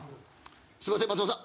すいません松本さん。